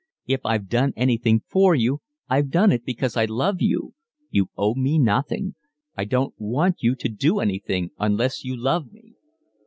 If I've done anything for you, I've done it because I love you. You owe me nothing. I don't want you to do anything unless you love me."